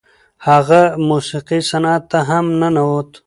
هغه د موسیقۍ صنعت ته هم ننوت.